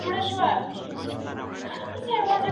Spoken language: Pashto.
د خاوند د اجازې پرته له کوره وتل څنګه کار دی؟